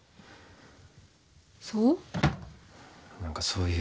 そう。